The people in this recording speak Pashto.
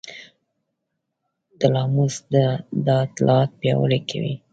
تلاموس دا اطلاعات پیاوړي کوي.